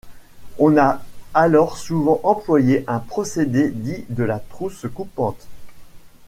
On a alors souvent employé un procédé dit de la trousse coupante.